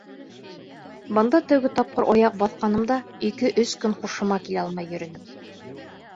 Бында тәүге тапҡыр аяҡ баҫҡанымда, ике-өс көн һушыма килә алмай йөрөнөм.